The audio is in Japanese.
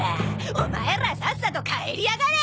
オマエらさっさと帰りやがれ！